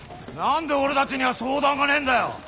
何で俺たちには相談がねえんだよ。